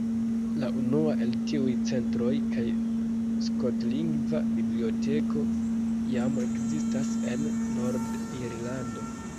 La unua el tiuj centroj kaj skotlingva biblioteko jam ekzistas en Nord-Irlando.